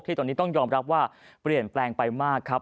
ตอนนี้ต้องยอมรับว่าเปลี่ยนแปลงไปมากครับ